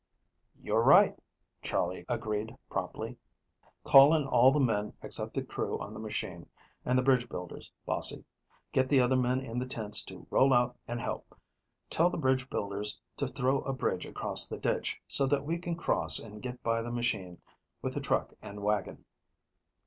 "You're right," Charley agreed promptly. "Call in all the men except the crew on the machine, and the bridge builders, Bossie. Get the other men in the tents to roll out and help. Tell the bridge builders to throw a bridge across the ditch, so that we can cross and get by the machine with the truck and wagon."